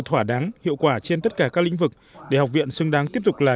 thỏa đáng hiệu quả trên tất cả các lĩnh vực để học viện xứng đáng tiếp tục là